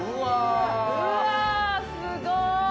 うわー、すごい。